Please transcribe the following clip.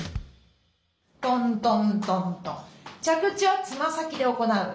トントントントン着地はつま先で行う。